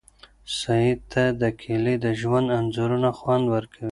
سعید ته د کلي د ژوند انځورونه خوند ورکوي.